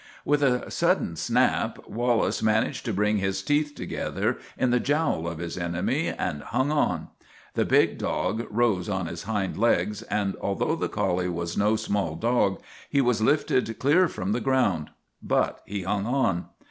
With a sudden snap Wallace managed to bring his teeth together in the jowl of his enemy and hung on. The big dog rose on his hind legs, and, al though the collie was no small dog, he was lifted clear from the ground ; but he hung on.